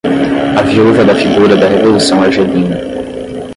a viúva da figura da revolução argelina